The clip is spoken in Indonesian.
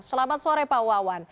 selamat sore pak wawan